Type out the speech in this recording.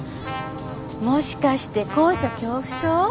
もしかして高所恐怖症？